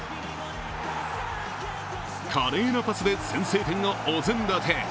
華麗なパスで先制点をお膳立て。